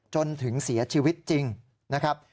จนถึงเสียชีวิตจริงนะครับ